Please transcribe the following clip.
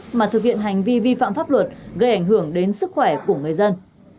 đừng bắt mắt mà thực hiện hành vi vi phạm pháp luật gây ảnh hưởng đến sức khỏe của người dân